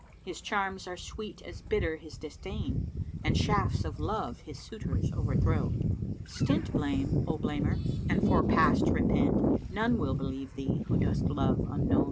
His charms are sweet as bitter his disdain; * And shafts of love his suitors overthrow. Stint blame, O blamer, and for past repent * None will believe thee who dost Love unknow!"